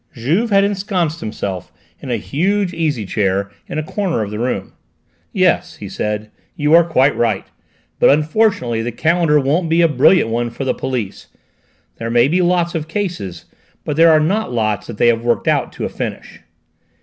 Juve had ensconced himself in a huge easy chair in a corner of the room. "Yes," he said, "you are quite right. But unfortunately the calendar won't be a brilliant one for the police. There may be lots of cases, but there are not lots that they have worked out to a finish."